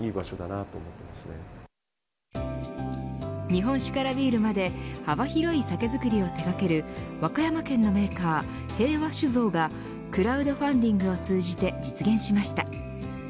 日本酒からビールまで幅広い酒造りを手掛ける和歌山県のメーカー、平和酒造がクラウドファンディングを通じて実現しました。